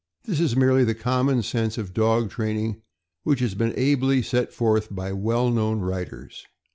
This is merely the common sense of dog training which has been ably set forth by well known writers.